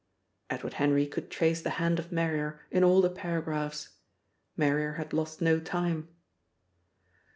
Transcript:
Edward Henry could trace the hand of Marrier in all the paragraphs. Marrier had lost no time.